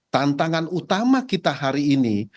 tantangan utama kita hari ini